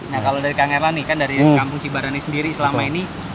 nah kalau dari kang erlani kan dari kampung cibarani sendiri selama ini